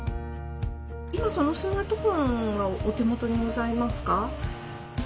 今そのスマートフォンはお手元にございますか？